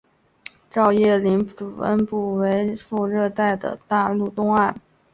照叶林主要分布于副热带的大陆东岸。